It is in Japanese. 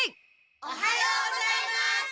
おはようございます！